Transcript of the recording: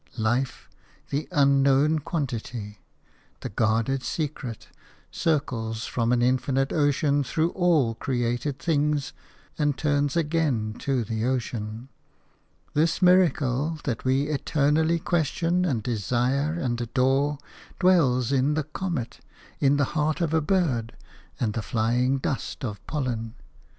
Life – the unknown quantity, the guarded secret – circles from an infinite ocean through all created things, and turns again to the ocean. This miracle that we eternally question and desire and adore dwells in the comet, in the heart of a bird, and the flying dust of pollen.